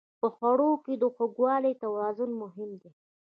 په خوړو کې د خوږوالي توازن مهم دی.